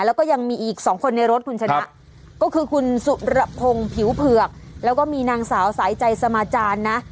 แล้วก็ยังมีอีกสองคนในรถคุณชนะก็คือคุณสุรพงศ์ผิวเผือกแล้วก็มีนางสาวสายใจสมาจารย์นะ